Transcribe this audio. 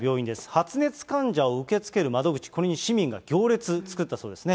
発熱患者を受け付ける窓口、これに市民が行列、作ったそうですね。